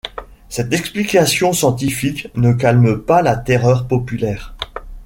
Cette explication scientifique ne calme pas la terreur populaire.